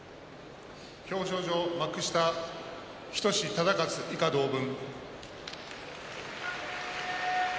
表彰状幕下日翔志忠勝以下同文。